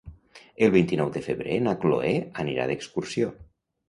El vint-i-nou de febrer na Cloè anirà d'excursió.